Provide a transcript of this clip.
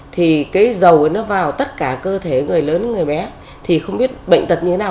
thì cái dầu nó vào tất cả cơ thể người lớn người bé thì không biết bệnh tật như thế nào